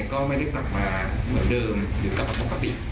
ก็ไม่ได้กลับมาเหมือนเดิมหรือกลับมาปกติ